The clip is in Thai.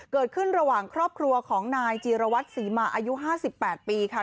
เกิดขึ้นระหว่างครอบครัวของนายจีรวัตรศรีมาอายุ๕๘ปีค่ะ